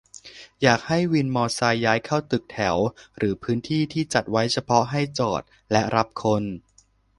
อยากให้วินมอไซค์ย้ายเข้าตึกแถวหรือพื้นที่ที่จัดไว้เฉพาะให้จอดและรับคน